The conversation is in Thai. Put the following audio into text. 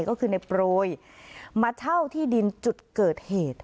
ก็คือในโปรยมาเช่าที่ดินจุดเกิดเหตุ